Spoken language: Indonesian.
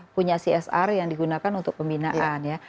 punya csr yang digunakan untuk pembinaan ya